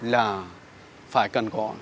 là phải cần có